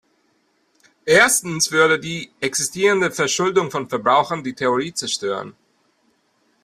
Erstens würde die existierende Verschuldung von Verbrauchern die Theorie zerstören.